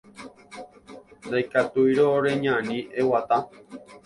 Ndaikatúirõ reñani, eguata